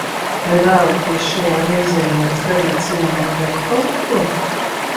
Vai vēlaties šajā reizē mums darīt zināmu vēl kaut ko?